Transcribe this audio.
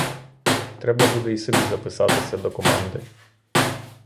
Треба буде й собі записатися до команди.